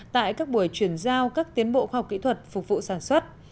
tại các buổi chuyển giao các tiến bộ khoa học kỹ thuật phục vụ sản xuất